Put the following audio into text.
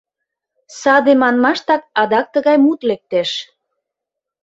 Саде манмаштак адак тыгай мут лектеш.